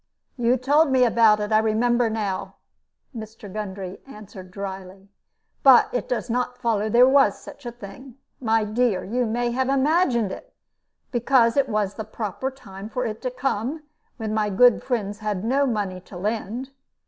"You told me about it, I remember now," Mr. Gundry answered, dryly; "but it does not follow that there was such a thing. My dear, you may have imagined it; because it was the proper time for it to come, when my good friends had no money to lend.